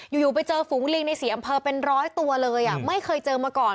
อยู่ไปเจอฝูงลิงใน๔อำเภอเป็นร้อยตัวเลยไม่เคยเจอมาก่อน